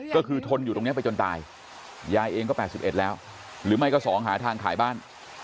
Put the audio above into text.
ก็คือทนอยู่ตรงนี้ไปจนตายยายเองก็๘๑แล้วหรือไม่ก็๒หาทางขายบ้าน